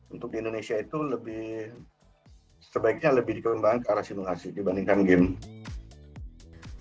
untuk di indonesia itu lebih sebaiknya lebih dikembangkan ke arah simulasi dibandingkan game